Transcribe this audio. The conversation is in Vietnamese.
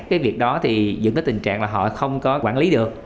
cái việc đó thì dựng đến tình trạng là họ không có quản lý được